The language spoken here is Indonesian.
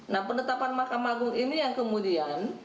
nah penetapan mahkamah agung ini yang kemudian